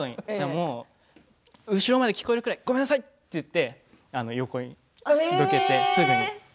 後ろまで聞こえるぐらいごめんなさいと言って横に抜けてすぐに。